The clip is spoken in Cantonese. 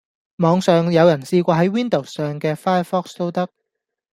網上有人試過喺 Windows 上既 Firefox 都得